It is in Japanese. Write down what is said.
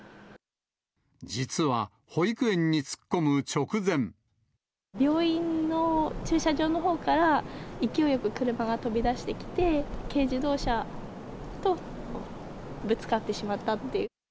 実は、病院の駐車場のほうから、勢いよく車が飛び出してきて、軽自動車とぶつかってしまったっていう。